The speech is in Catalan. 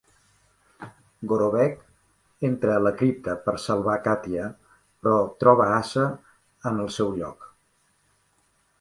Gorobec entra a la cripta per salvar Katia, però troba ASA en el seu lloc.